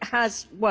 まあ！